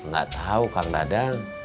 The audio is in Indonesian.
gak tahu kang dadang